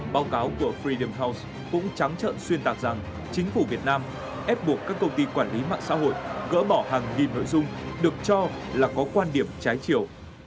báo cáo của fredem hunce cũng trắng trợn xuyên tạc rằng chính phủ việt nam ép buộc các công ty quản lý mạng xã hội gỡ bỏ hàng nghìn nội dung được cho là có quan điểm trái chiều